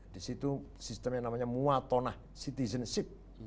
di situ sistem yang namanya muatonah citizenship